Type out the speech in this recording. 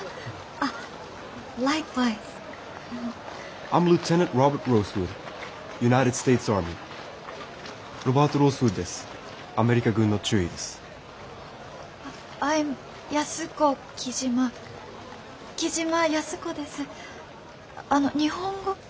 あの日本語。